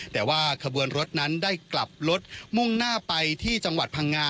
แต่ว่าขบวนรถนั้นได้กลับรถมุ่งหน้าไปที่จังหวัดพังงา